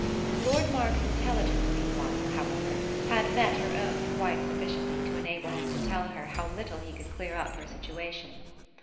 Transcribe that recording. Lord Mark's intelligence meanwhile, however, had met her own quite sufficiently to enable him to tell her how little he could clear up her situation.